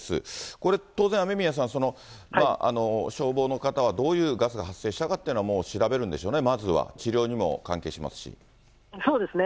これ当然、雨宮さん、消防の方はどういうガスが発生したかというのはもう調べるんでしょうね、そうですね。